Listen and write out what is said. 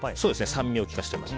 酸味を利かせています。